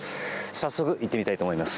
早速、行ってみたいと思います。